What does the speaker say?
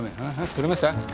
撮れました？